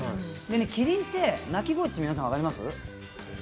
キリンのり鳴き声、皆さん分かります？